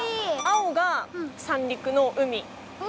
青が三陸の海。